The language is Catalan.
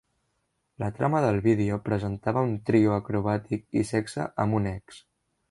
La trama del vídeo presentava un trio "acrobàtic" i sexe amb un ex.